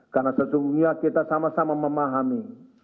karena sesungguhnya kita sama sama memahami